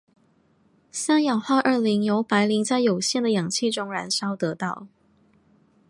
三氧化二磷由白磷在有限的氧气中燃烧得到。